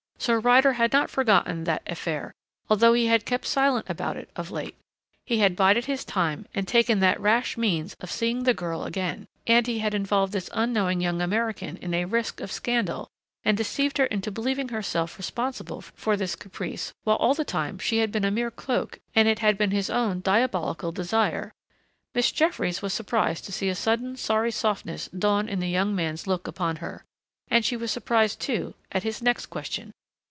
So Ryder had not forgotten that affair, although he had kept silent about it of late. He had bided his time and taken that rash means of seeing the girl again and he had involved this unknowing young American in a risk of scandal and deceived her into believing herself responsible for this caprice while all the time she had been a mere cloak and it had been his own diabolical desire.... Miss Jeffries was surprised to see a sudden sorry softness dawn in the young man's look upon her. And she was surprised, too, at his next question.